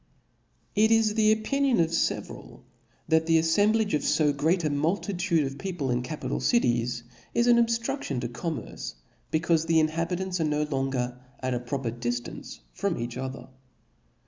It is the opinion of feveral, that the aflembling fo great a multitude of people in capital cities, is ^n obftrudtion to commerce, becayfe the inhabit ants are no longer at a proper diftance from each other.